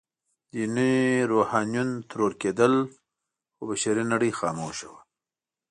ديني روحانيون ترور کېدل، خو بشري نړۍ خاموشه وه.